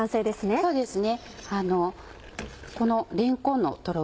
あそうですね。